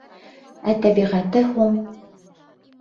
Ә тәбиғәте һуң!